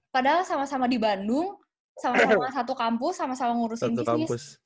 padahal sama sama di bandung sama sama satu kampus sama sama ngurusin bisnis